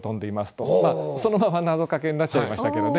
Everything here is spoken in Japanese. まあそのままなぞかけになっちゃいましたけどね。